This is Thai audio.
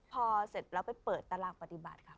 พอเสร็จแล้วไปเปิดตารางปฏิบัติค่ะ